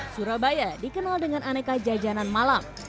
surabaya dikenal dengan aneka jajanan malam